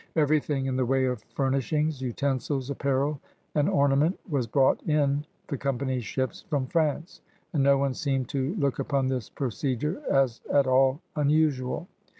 Everything in the way of furnishings, utensils, apparel, and ornament was brought in the com pany's ships from France, and no one seemed to look upon this procedure as at all unusual.